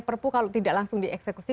perpu kalau tidak langsung dieksekusi